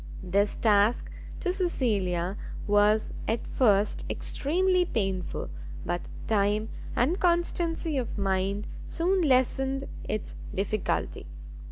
This task to Cecilia was at first extremely painful; but time and constancy of mind soon lessened its difficulty.